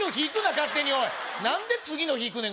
勝手におい何で次の日いくねん